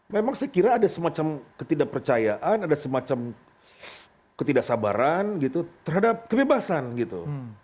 memang saya kira ada semacam ketidakpercayaan ada semacam ketidaksabaran gitu terhadap kebebasan gitu